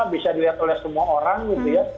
bisa dilihat oleh semua orang gitu ya